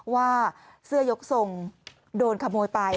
ว่าเสื้อยกทรงโดนขโมยไป